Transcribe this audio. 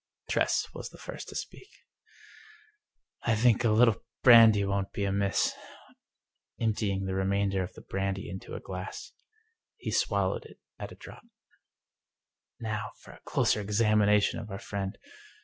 Tress was the first to speak. " I think a little brandy won't be amiss." Emptying the remainder of the brandy into a glass, he swallowed it at a draught. " Now for a closer examination of our friend."